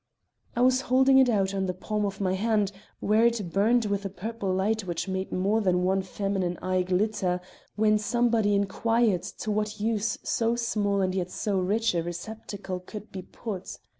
"I was holding it out on the palm of my hand, where it burned with a purple light which made more than one feminine eye glitter, when somebody inquired to what use so small and yet so rich a receptacle could be put.